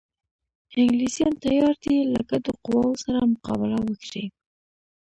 انګلیسیان تیار دي له ګډو قواوو سره مقابله وکړي.